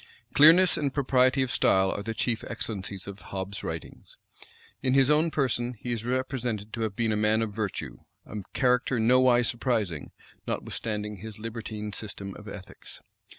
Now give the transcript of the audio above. Clearness and propriety of style are the chief excellencies of Hobbes's writings. In his own person, he is represented to have been a man of virtue; a character nowise surprising, notwithstanding his libertine system of ethics.